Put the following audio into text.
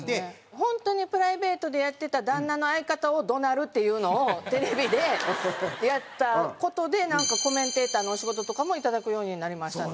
本当にプライベートでやってた旦那の相方を怒鳴るっていうのをテレビでやった事でなんかコメンテーターのお仕事とかもいただくようになりましたね。